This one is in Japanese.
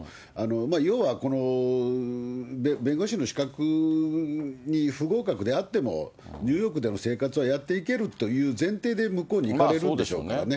要はこの弁護士の資格に不合格であっても、ニューヨークでの生活はやっていけるという前提で向こうに行かれるんでしょうからね。